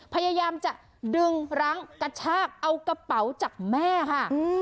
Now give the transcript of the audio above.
พยายามจะดึงรั้งกระชากเอากระเป๋าจากแม่ค่ะ